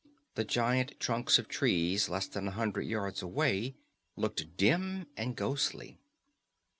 The giant trunks of trees less than a hundred yards away looked dim and ghostly.